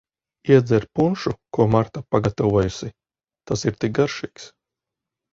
Iedzer punšu, ko Marta pagatavojusi, tas ir tik garšīgs.